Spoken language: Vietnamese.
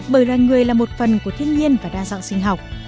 bởi loài người là một phần của thiên nhiên và đa dạng sinh học